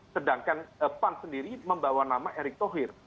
sedangkan pan sendiri membawa nama erick thohir